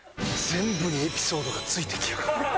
全部にエピソードがついてきやがる。